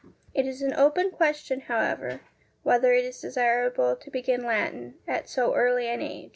It is an open question, however, whether it is desirable to begin Latin at so early an age.